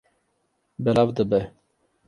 Belav dibe.